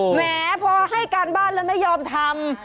แหมพอให้การบ้านแล้วไม่ยอมทำ